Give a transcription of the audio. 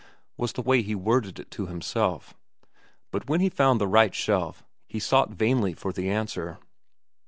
was the way he worded it to himself. But when he found the right shelf, he sought vainly for the answer.